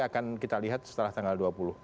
akan kita lihat setelah tanggal dua puluh